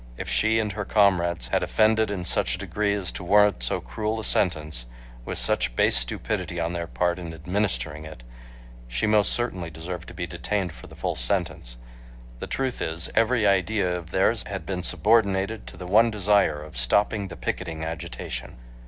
If she and her comrades had offended in such degree as to warrant so cruel a sentence, (with such base stupidity on their part in administering it) she most certainly deserved to be detained for the full sentence. The truth is, every idea of theirs had been subordinated to the one desire of stopping the picketing agitation.